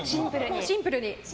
シンプルに。